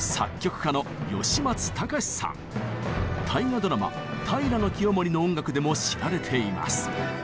大河ドラマ「平清盛」の音楽でも知られています。